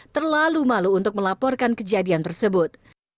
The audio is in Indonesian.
terlalu malu untuk melaporkan kejadian tersebut